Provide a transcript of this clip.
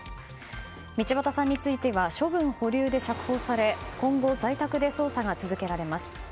道端さんについては処分保留で釈放され今後、在宅で捜査が続けられます。